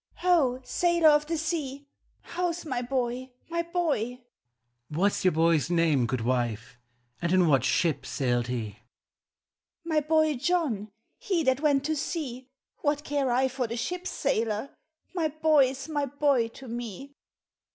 " Ho, sailor of the sea ! How 's my boy— my boy ?"" What 's your boy's name, good wife, And in what ship sailed he? "" My boy John He that went to sea — What care I for the ship, sailor? My boy 's my boy to me.